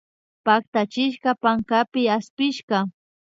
Pactachishka pankapi aspishka